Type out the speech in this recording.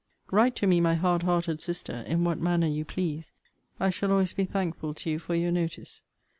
Write to me, my hard hearted Sister, in what manner you please, I shall always be thankful to you for your notice.